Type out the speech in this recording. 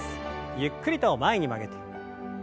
ゆっくりと前に曲げて。